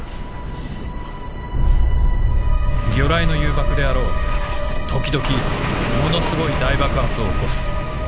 魚雷の誘爆であらう時々物凄い大爆発を起こす。